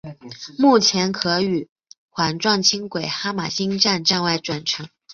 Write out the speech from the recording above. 目前可与环状轻轨哈玛星站站外转乘。